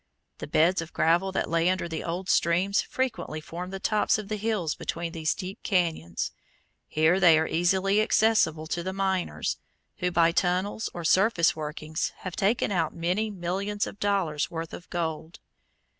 The beds of gravel that lay under the old streams frequently form the tops of the hills between these deep cañons. Here they are easily accessible to the miners, who by tunnels or surface workings have taken out many millions of dollars' worth of gold.